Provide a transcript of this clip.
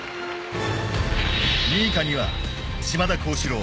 ２位以下には島田高志郎